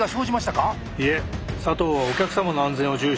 いえ佐藤はお客さまの安全を重視。